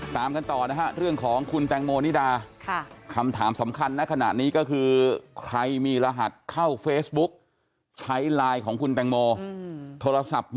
ท่านผู้ชมครับ